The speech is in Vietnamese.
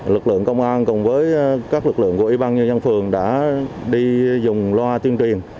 lực lượng công an cùng với các lực lượng của ủy ban nhân dân phường đã đi dùng loa tuyên truyền